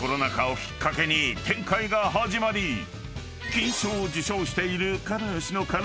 ［金賞を受賞している］